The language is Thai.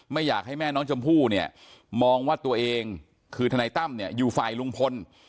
ไม่อยากให้แม่น้องชมพู่เนี่ยมองว่าตัวเองคือทนายตั้มเนี่ยอยู่ฝ่ายลุงพล